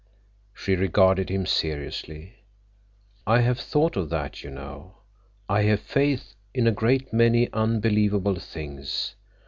She regarded him seriously. "I have thought of that. You know, I have faith in a great many unbelievable things.